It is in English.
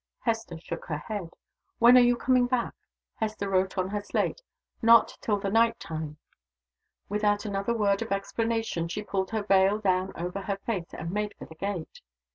Hester shook her head. "When are you coming back?" Hester wrote on her slate: "Not till the night time." Without another word of explanation she pulled her veil down over her face, and made for the gate.